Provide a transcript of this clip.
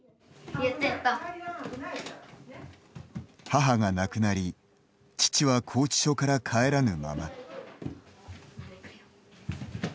母が亡くなり父は拘置所から帰らぬまま。